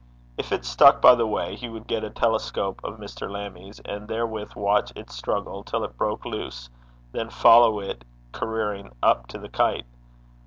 If it stuck by the way, he would get a telescope of Mr. Lammie's, and therewith watch its struggles till it broke loose, then follow it careering up to the kite.